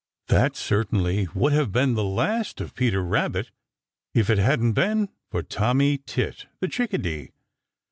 That certainly would have been the last of Peter Rabbit if it hadn't been for Tommy Tit the Chickadee.